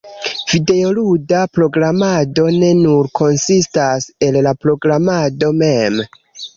videoluda programado ne nur konsistas el la programado mem.